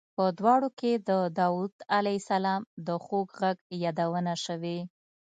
په دواړو کې د داود علیه السلام د خوږ غږ یادونه شوې.